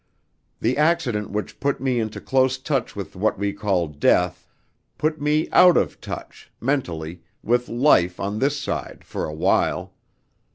"The accident which put me into close touch with what we call 'death,' put me out of touch mentally with life on this side for a while.